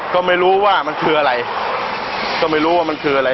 ก็ไม่รู้ว่ามันคืออะไรก็ไม่รู้ว่ามันคืออะไร